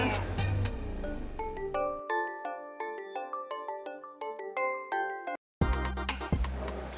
nanti kita makan